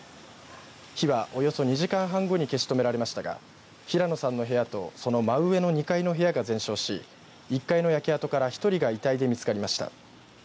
火は、およそ２時間半後に消し止められましたが平野さんの部屋とその真上の２階の部屋が全焼し１階の焼け跡から１人が遺体で見つかりました。